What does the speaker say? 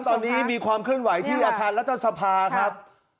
ตอนนี้มีความเคลื่อนไหวที่อัพพันธ์และเจ้าสภาครับ